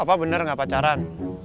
papa bener gak pacaran